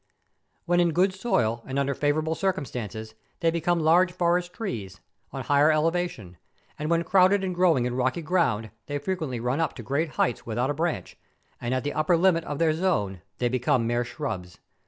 When in good soil and under favourable circum¬ stances they become large forest trees, on higher eleva¬ tion, and when crowded and growing in rocky ground they frequently run up to great heights without a branch, and at the upper limit of their zone they become mere shrubs.